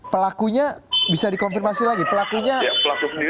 pelakunya bisa dikonfirmasi lagi pelakunya melarikan diri